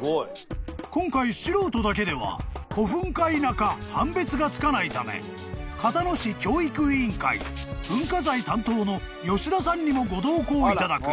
［今回素人だけでは古墳か否か判別がつかないため交野市教育委員会文化財担当の吉田さんにもご同行いただく］